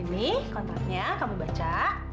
ini kontaknya kamu baca